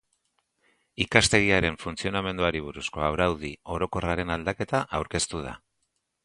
Ikastegiaren funtzionamenduari buruzko araudi orokorraren aldaketa aurkeztu da.